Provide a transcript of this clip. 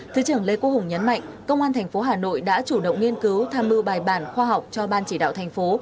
thứ trưởng lê quốc hùng nhấn mạnh công an thành phố hà nội đã chủ động nghiên cứu tham mưu bài bản khoa học cho ban chỉ đạo thành phố